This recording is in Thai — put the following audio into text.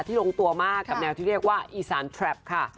ลงตัวมากกับแนวที่เรียกว่าอีสานแทรปค่ะ